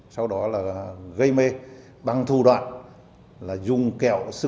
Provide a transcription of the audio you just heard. sau đó là gây mê bằng thủ đoạn là dùng kẹo sưng gung